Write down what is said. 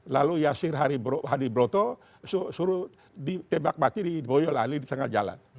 lalu yasir hadi broto suruh ditebak mati di boyol ali di tengah jalan